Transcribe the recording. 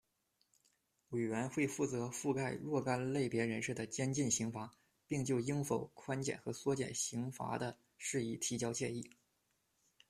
委员会负责覆核若干类别人士的监禁刑罚，并就应否宽减和缩减刑罚的事宜提交建议。